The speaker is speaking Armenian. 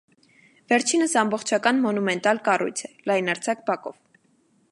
Վերջինս ամբողջական մոնումենտալ կառույց է՝ լայնարձակ բակով։